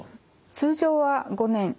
通常は５年。